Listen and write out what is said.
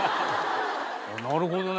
なるほどね。